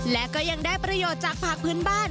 และก็ยังได้ประโยชน์จากผักพื้นบ้าน